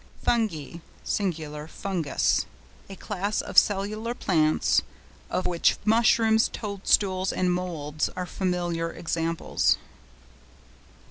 FUNGI (sing. FUNGUS).—A class of cellular plants, of which Mushrooms, Toadstools, and Moulds, are familiar examples.